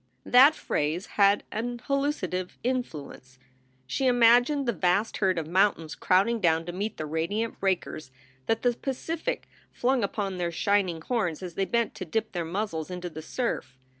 That phrase had an hallucinative influence. She imagined the vast herd of mountains crowding down to meet the radiant breakers that the Pacific flung upon their shining horns as they bent to dip their muzzles into the surf.